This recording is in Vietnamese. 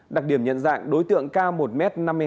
đặc điểm nhận dạng đối tượng cao một m năm mươi hai